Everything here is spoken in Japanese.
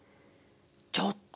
ちょっと！